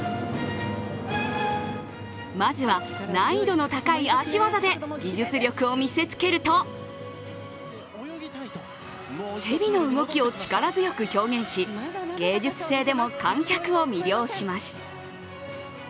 まずは難易度の高い足技で技術力を見せつけると蛇の動きを力強く表現し芸術性でも観客を魅了します。